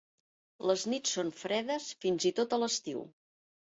Les nits són fredes, fins i tot a l'estiu.